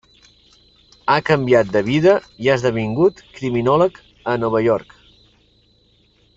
Ha canviat de vida i ha esdevingut criminòleg a Nova York.